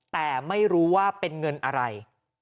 แต่ไม่รู้ว่าเป็นเงินอะไร